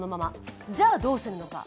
じゃあどうするのか。